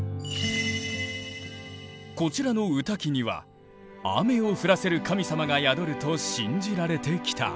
こちらの御嶽には雨を降らせる神様が宿ると信じられてきた。